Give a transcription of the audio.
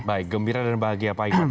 baik gembira dan bahagia pak iwan